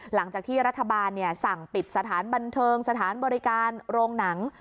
หลังจากที่รัฐบาลสั่งปิดสถานบันเทิงสถานบริการโรงหนัง